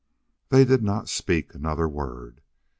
They did not speak another word.